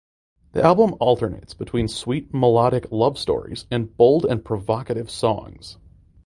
The album alternates between "sweet melodic" love stories and "bold and provocative" songs.